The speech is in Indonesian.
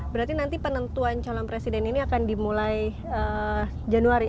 berarti nanti penentuan calon presiden ini akan dimulai januari